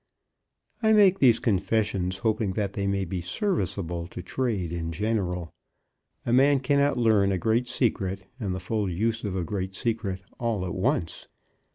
I make these confessions hoping that they may be serviceable to trade in general. A man cannot learn a great secret, and the full use of a great secret, all at once.